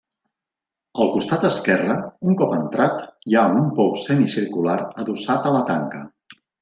Al costat esquerre, un cop entrat, hi ha un pou semicircular adossat a la tanca.